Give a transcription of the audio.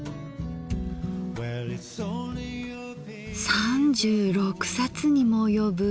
３６冊にも及ぶ。